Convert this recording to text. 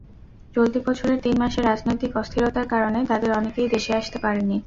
চলতি বছরের তিন মাসে রাজনৈতিক অস্থিরতার কারণে তাঁদের অনেকেই দেশে আসতে পারেননি।